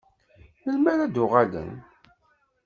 Melmi ara d-uɣalen?